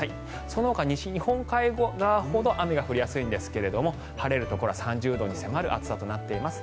そのほか西、日本海側ほど雨が降りやすいんですが晴れるところは３０度に迫る暑さとなっています。